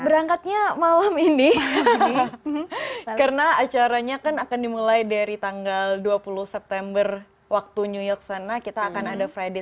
berangkatnya malam ini karena acaranya kan akan dimulai dari tanggal dua puluh september waktu new york sana kita akan ada frederick